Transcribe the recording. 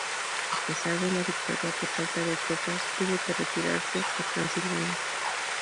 A pesar de la victoria, por falta de tropas, tuvo que retirarse a Transilvania.